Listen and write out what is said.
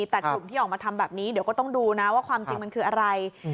แต่กลุ่มที่ออกมาทำแบบนี้เดี๋ยวก็ต้องดูนะ